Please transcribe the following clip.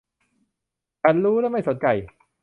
ฉันรู้ และไม่สนใจ